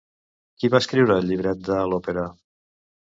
Qui va escriure el llibret de l'òpera?